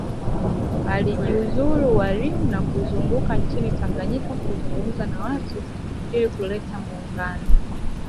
Alijiuzuru ualimu na kuzunguka nchini Tanganyika kuzungumza na watu ili kuleta muungano